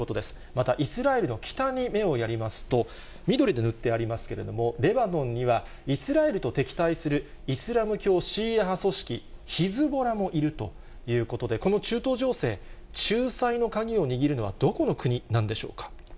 またイスラエルの北に目をやりますと、緑で塗ってありますけれども、レバノンには、イスラエルと敵対するイスラム教シーア派組織ヒズボラもいるということで、この中東情勢、仲裁の鍵を握るのは、どこの国なんでしょうか。